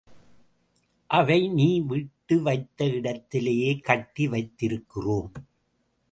அவை நீ விட்டு வைத்த இடத்திலேயே கட்டி வைத்திருக்கிறோம்.